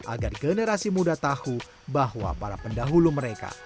agar generasi muda tahu bahwa para pendahulu mereka